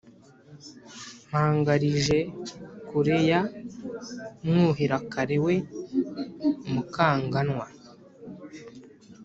MpangarijekureYa Mwuhirakare we, Mukanganwa